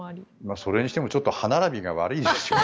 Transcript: それにしても歯並びが悪いですよね。